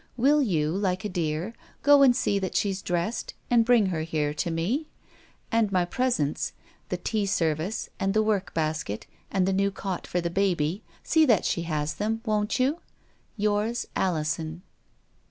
Will you, like a dear, go and see that she's dressed and bring her here to me ? And my presents — the tea service and the work basket and the new cot for the baby — see that she has them, won't you? — Yours, Alison."